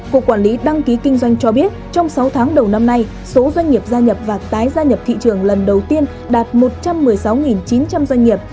cục quản lý đăng ký kinh doanh cho biết trong sáu tháng đầu năm nay số doanh nghiệp gia nhập và tái gia nhập thị trường lần đầu tiên đạt một trăm một mươi sáu chín trăm linh doanh nghiệp